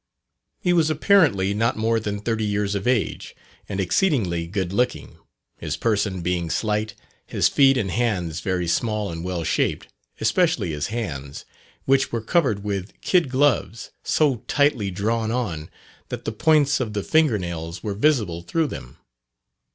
He was apparently not more than thirty years of age, and exceedingly good looking his person being slight, his feet and hands very small and well shaped, especially his hands, which were covered with kid gloves, so tightly drawn on, that the points of the finger nails were visible through them.